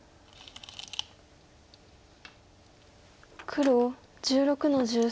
黒１６の十三。